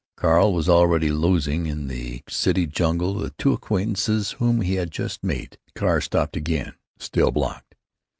Carl was already losing in the city jungle the two acquaintances whom he had just made. The car stopped again, still blocked.